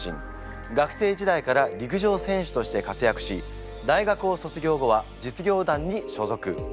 学生時代から陸上選手として活躍し大学を卒業後は実業団に所属。